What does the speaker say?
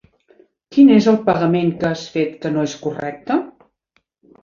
Quin és el pagament que has fet que no és correcte?